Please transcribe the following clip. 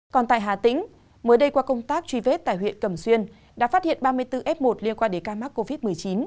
còn tại hà tĩnh mới đây qua công tác truy vết tại huyện cẩm xuyên đã phát hiện ba mươi bốn f một liên quan đến ca mắc covid một mươi chín